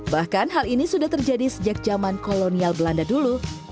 bahkan hal ini sudah terjadi sejak zaman kolonial belanda dulu